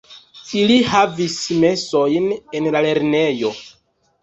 Ili havis mesojn en la lernejo.